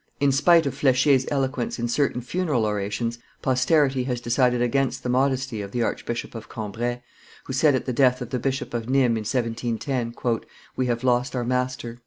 In spite of Flechier's eloquence in certain funeral orations, posterity has decided against the modesty of the Archbishop of Cambrai, who said at the death of the Bishop of Nimes, in 1710, "We have lost our master."